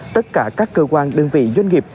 tất cả các cơ quan đơn vị doanh nghiệp